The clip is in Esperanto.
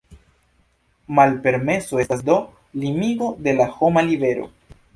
Malpermeso estas do limigo de la homa libero.